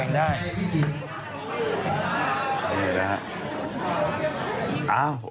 ในเมื่อเกินไปจับใบแดงได้